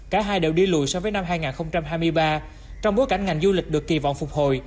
cả hai đều đi lùi so với năm hai nghìn hai mươi ba trong bối cảnh ngành du lịch được kỳ vọng phục hồi